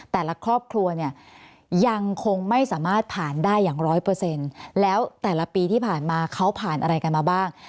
แต่ละครอบครัวเนี่ยยังคงไม่สามารถผ่านได้อย่างร้อยเปอร์เซ็นต์แล้วแต่ละปีที่ผ่านมาเขาผ่านอะไรกันมาบ้าง